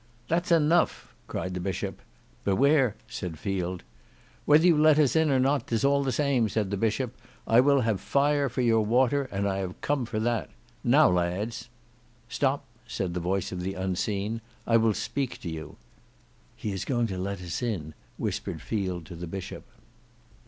"That's enough," cried the Bishop. "Beware!" said Field. "Whether you let us in or not, 'tis all the same," said the Bishop; "I will have fire for your water, and I have come for that. Now lads!" "Stop," said the voice of the unseen. "I will speak to you." "He is going to let us in," whispered Field to the Bishop.